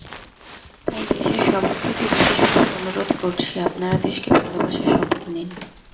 তাই দেশের সবার প্রতি বিশেষভাবে অনুরোধ করছি, আপনারা দেশকে ভালোবাসার শপথ নিন।